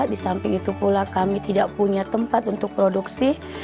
di samping itu pula kami tidak punya tempat untuk produksi